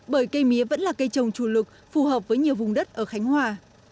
bởi cây mía vẫn là cây trồng chủ lực phù hợp với nhiều vùng đất ở khánh hòa